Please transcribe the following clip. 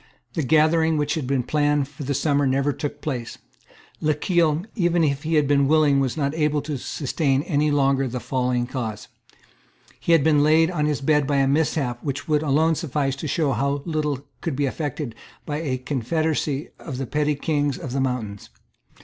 The gathering which had been planned for the summer never took place. Lochiel, even if he had been willing, was not able to sustain any longer the falling cause. He had been laid on his bed by a mishap which would alone suffice to show how little could be effected by a confederacy of the petty kings of the mountains.